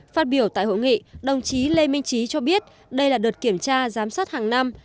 phát biểu tại hội nghị đồng chí lê minh trí cho biết đây là đợt kiểm tra giám sát hàng năm